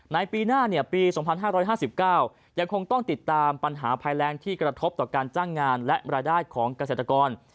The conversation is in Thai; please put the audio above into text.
ในปีหน้าปี๒๕๕๙ยังคงต้องติดตามปัญหาภัยแรงที่กระทบต่อการจ้างงานและรายได้ของเกษตรกร